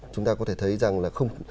chúng ta có thể thấy rằng là không